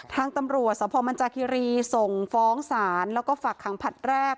ทางตำรัวทรมานจครีรีย์ส่งฟ้องสารแล้วก็ฝากหางพัทรแรก